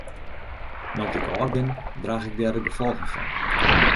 No't ik âld bin draach ik dêr de gefolgen fan.